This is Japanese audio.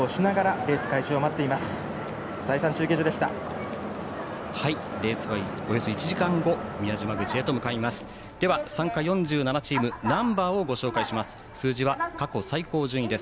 レースはおよそ１時間後宮島口へと向かいます。